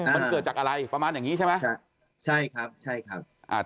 มันเกิดจากอะไรประมาณอย่างงี้ใช่ไหมใช่ครับใช่ครับอ่า